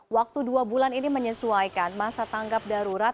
waktu dua bulan ini menyesuaikan masa tanggap darurat